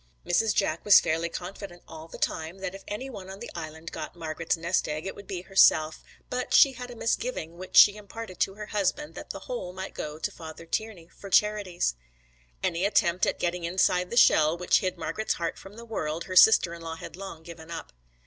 Mrs. Jack was fairly confident all the time that if any one on the Island got Margret's nest egg it would be herself, but she had a misgiving which she imparted to her husband that the whole might go to Father Tiernay for charities. Any attempt at getting inside the shell which hid Margret's heart from the world her sister in law had long given up.